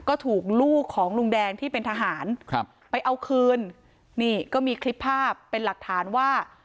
ก็ถูกลูกของลุงแดงที่เป็นทหารครับไปเอาคืนนี่ก็มีคลิปภาพเป็นหลักฐานว่า